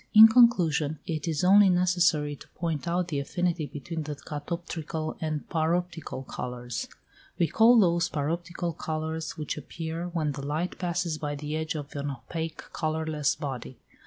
In conclusion it is only necessary to point out the affinity between the catoptrical and paroptical colours. We call those paroptical colours which appear when the light passes by the edge of an opaque colourless body.